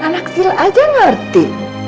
anak kecil aja ngerti